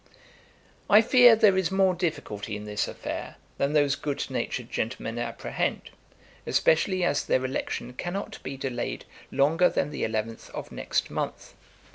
'I fear there is more difficulty in this affair, than those good natured gentlemen apprehend; especially as their election cannot be delayed longer than the 11th of next month.